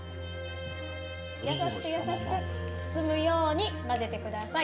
優しく、優しく包むように混ぜてください。